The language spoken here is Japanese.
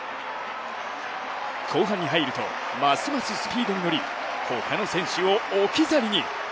後半に入ると、ますますスピードに乗り、他の選手を置き去りに。